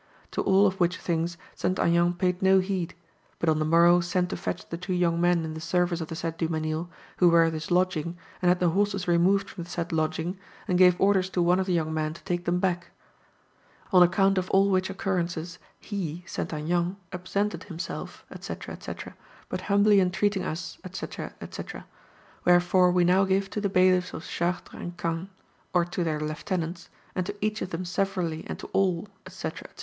To all of which things St. Aignan paid no heed, but on the morrow sent to fetch the two young men in the service of the said Dumesnil, who were at his lodging, and had the horses removed from the said lodging, and gave orders to one of the young men to take them back. "On account of all which occurrences he (St. Aignan) absented himself, &c, &c, but humbly entreating us, &c, &c. Wherefore we now give to the Bailiffs of Chartres and Caen, or to their Lieutenants, and to each of them severally and to all, &c, &c.